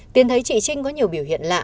tiến thấy chị trinh có nhiều biểu hiện lạ